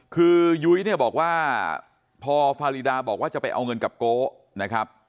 คือยุ้ยเนี่ยบอกว่าพอฟารีดาบอกว่าจะไปเอาเงินกับโกนะครับ